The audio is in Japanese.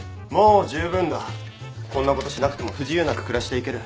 こんなことしなくても不自由なく暮らしていける。